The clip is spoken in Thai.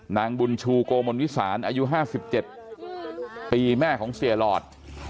นางบุญชูโกมนวิสานอายุ๕๗ปีแม่ของเสียหลอด